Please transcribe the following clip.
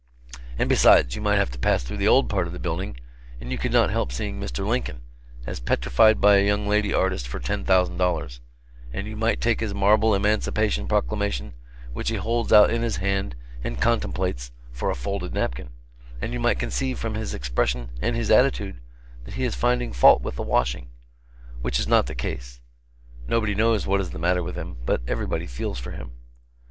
And besides, you might have to pass through the old part of the building, and you could not help seeing Mr. Lincoln, as petrified by a young lady artist for $10,000 and you might take his marble emancipation proclamation, which he holds out in his hand and contemplates, for a folded napkin; and you might conceive from his expression and his attitude, that he is finding fault with the washing. Which is not the case. Nobody knows what is the matter with him; but everybody feels for him.